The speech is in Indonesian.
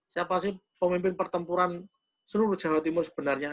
siapa sih pemimpin pertempuran seluruh jawa timur sebenarnya